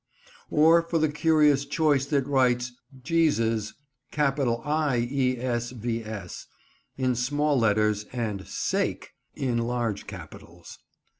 or for the curious choice that writes "Iesvs" in small letters and "SAKE" in large capitals.